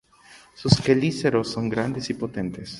Sus quelíceros son grandes y potentes.